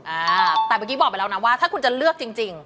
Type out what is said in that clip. อ่าแต่เมื่อกี้บอกไปแล้วนะว่าถ้าคุณจะเลือกจริง